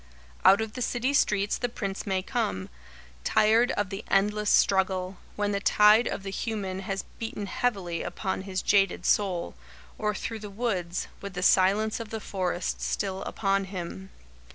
Out of the city streets The Prince may come, tired of the endless struggle, when the tide of the human has beaten heavily upon his jaded soul, or through the woods, with the silence of the forest still upon him.